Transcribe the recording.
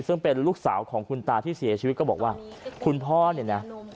ซึ่งเป็นลูกสาวของคุณตาที่เสียชีวิตก็บอกว่าคุณพ่อเนี่ยนะ